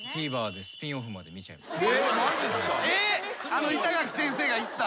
あの板垣先生が行った。